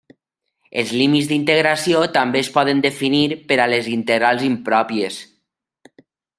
Els límits d'integració també es poden definir per a les integrals impròpies.